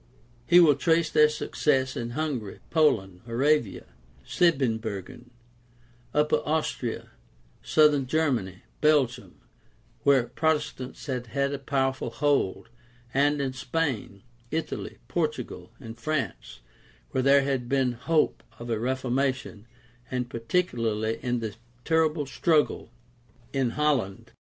He will trace their success in Hungary, Poland, Moravia, Siebenburgen, Upper Austria, Southern Germany, Belgium, where Protestants had had a powerful hold, and in Spain, Italy, Portugal, and France, where there had been hope of a reformation, and particularly in the terrible struggle in Holland.